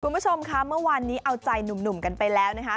คุณผู้ชมค่ะเมื่อวานนี้เอาใจหนุ่มกันไปแล้วนะคะ